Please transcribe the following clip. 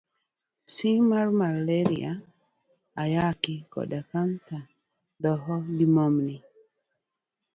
C. mar Maleria, Ayaki, kod kansaD. Dhoho, gi momni